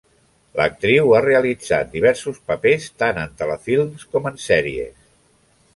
L'actriu ha realitzat diversos papers tant en telefilms com en sèries.